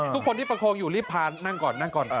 ทุกคนที่ประโครงอยู่รีบพานั่งก่อน